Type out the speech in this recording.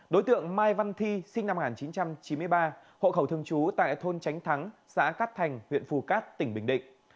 đối tượng mai văn thi sinh năm một nghìn chín trăm chín mươi ba hộ khẩu thường trú tại thôn tránh thắng xã cát thành huyện phù cát tỉnh bình định